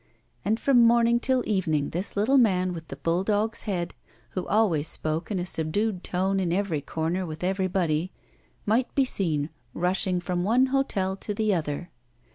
And from morning till evening this little man with the bulldog's head, who always spoke in a subdued tone in every corner with everybody, might be seen rushing from one hotel to the other.